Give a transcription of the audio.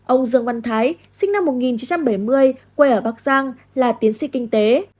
ông dương văn thái sinh năm một nghìn chín trăm bảy mươi quê ở bắc giang là tiến sĩ kinh tế